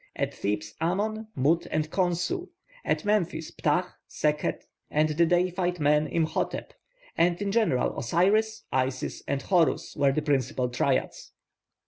At Thebes, Amon, Mut, and Khonsu; at Memphis, Ptah, Sekhet, and the deified man Imhotep; and in general Osiris, Isis, and Horus, were the principal triads.